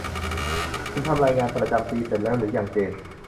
คุณทำรายงานประจำปีเสร็จแล้วหรือยังเจน